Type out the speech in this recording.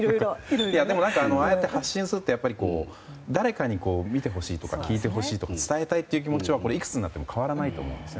ああやって発信するって誰かに見てほしいとか聞いてほしいとか伝えたいって気持ちはいくつになっても変わらないと思います。